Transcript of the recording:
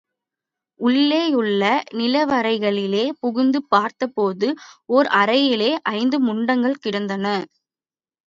உள்ளேயுள்ள நிலவறைகளிலே புகுந்து பார்த்தபோது, ஓர் அறையிலே ஐந்து முண்டங்கள் கிடந்தன.